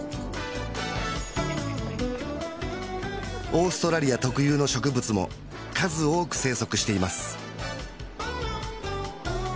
オーストラリア特有の植物も数多く生息しています